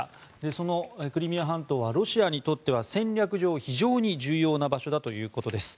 そのクリミア半島はロシアにとっては戦略上、非常に重要な場所だということです。